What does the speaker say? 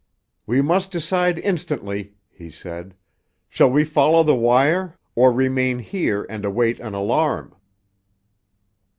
"We must decide instantly," he said. "Shall we follow the wire or remain here and await an alarm?"